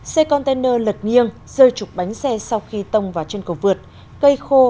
xe container lật nghiêng rơi trục bánh xe sau khi tông vào chân cầu vượt cây khô